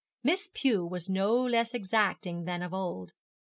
Miss Pew was no less exacting than of old.